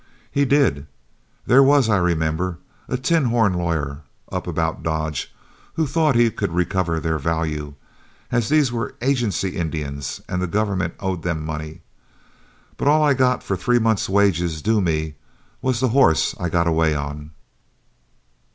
"He did. There was, I remember, a tin horn lawyer up about Dodge who thought he could recover their value, as these were agency Indians and the government owed them money. But all I got for three months' wages due me was the horse I got away on."